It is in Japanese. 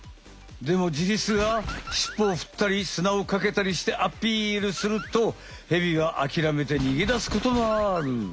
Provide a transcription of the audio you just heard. でもジリスがシッポをふったり砂をかけたりしてアピールするとヘビはあきらめて逃げだすこともある。